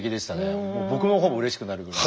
僕の方もうれしくなるぐらい。